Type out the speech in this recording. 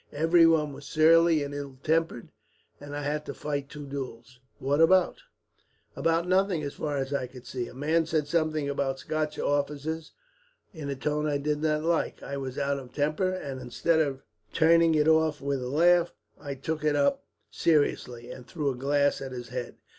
Everyone was surly and ill tempered, and I had to fight two duels." "What about?" "About nothing, as far as I could see. A man said something about Scotch officers, in a tone I did not like. I was out of temper, and instead of turning it off with a laugh I took it up seriously, and threw a glass at his head.